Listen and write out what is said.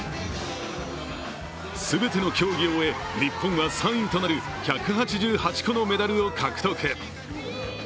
全ての競技を終え、日本は３位となる１８８個のメダルを獲得。